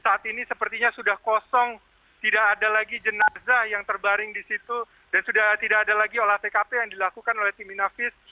saat ini sepertinya sudah kosong tidak ada lagi jenazah yang terbaring di situ dan sudah tidak ada lagi olah tkp yang dilakukan oleh tim inavis